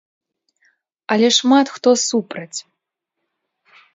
Але шмат хто супраць.